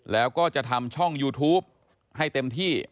แล้วก็จะทำช่องยูทูปให้เต็มที่